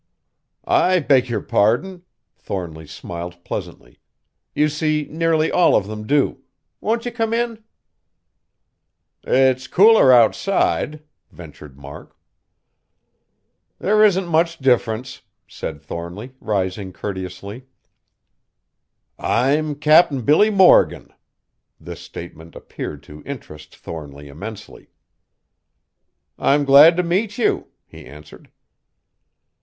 "I beg your pardon," Thornly smiled pleasantly, "you see nearly all of them do. Won't you come in?" [Illustration: "The two men stood spellbound before the easel."] "It's cooler outside," ventured Mark. "There isn't much difference," said Thornly, rising courteously. "I'm Cap'n Billy Morgan!" This statement appeared to interest Thornly immensely. "I'm glad to meet you," he answered.